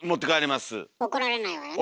怒られないわよね？